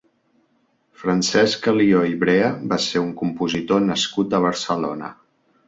Francesc Alió i Brea va ser un compositor nascut a Barcelona.